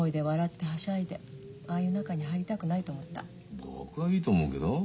僕はいいと思うけど。